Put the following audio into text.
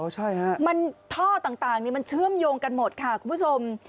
ใช่ฮะมันท่อต่างนี้มันเชื่อมโยงกันหมดค่ะคุณผู้ชม